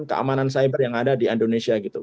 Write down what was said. keamanan cyber yang ada di indonesia gitu